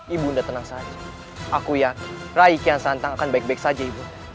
ibunda tenang saja aku yakin raimu kian santang akan baik baik saja ibu